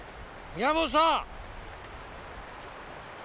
宮元さん